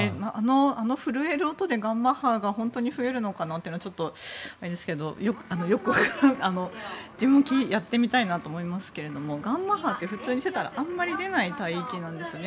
あの震える音でガンマ波が本当に増えるのかなというのはちょっとあれですがやってみたいなと思いますがガンマ波って普通にしていたらあまり出ない帯域なんですよね。